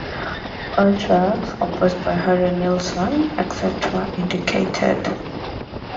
All tracks composed by Harry Nilsson except where indicated.